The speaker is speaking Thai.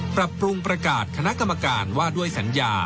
ปรับปรุงประกาศคณะกรรมการว่าด้วยสัญญา